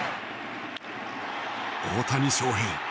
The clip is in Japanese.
大谷翔平